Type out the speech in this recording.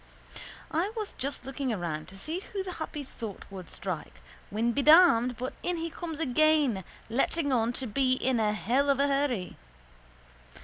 I was just looking around to see who the happy thought would strike when be damned but in he comes again letting on to be in a hell of a hurry.